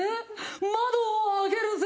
窓を開けるぜ。